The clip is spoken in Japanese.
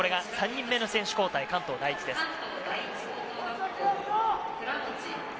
３人目の選手交代、関東第一です。